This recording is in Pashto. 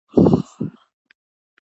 بیړه کول کله کله انسان ته تاوان رسوي.